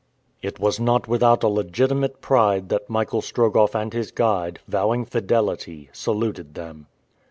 It was not without a legitimate pride that Michael Strogoff and his guide, vowing fidelity, saluted them.